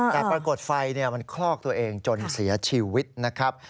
แต่ปรากฏไฟมันคลอกตัวเองจนเสียชีวิตนะครับ